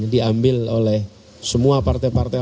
diambil oleh semua partai partai